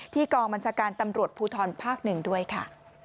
กองบัญชาการตำรวจภูทรภาค๑ด้วยค่ะ